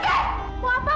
pergi kalian pergi